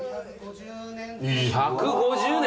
１５０年